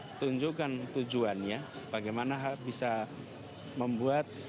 untuk menunjukkan tujuannya bagaimana bisa membuat proses